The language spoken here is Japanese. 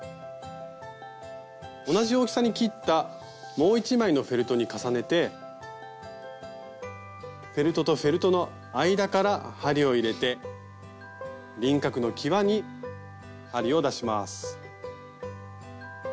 同じ大きさに切ったもう１枚のフェルトに重ねてフェルトとフェルトの間から針を入れて輪郭のきわに針を出します。